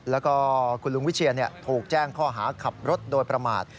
แล้วก็คุณลุงวิเชียนถูกแจ้งข้อหาขับรถโดยประมาท